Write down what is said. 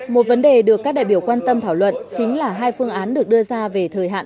một vấn đề được các đại biểu quan tâm thảo luận chính là hai phương án được đưa ra về thời hạn